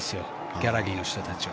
ギャラリーの人たちは。